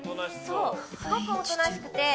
すごくおとなしくて。